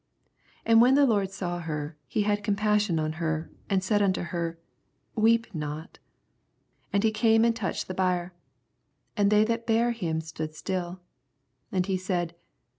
13 And when the Lord saw her, he bad compassion on her, and said unto Oer, Weep not. 14 And he came and touched the bier: and they that bare him stood still. And he said.